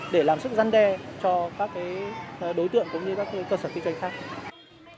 để làm sức gian đe cho các đối tượng cũng như các cơ sở kinh doanh khác